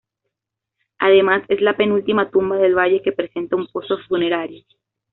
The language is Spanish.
Además, es la penúltima tumba del valle que presenta un pozo funerario.